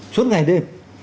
suốt ngày đêm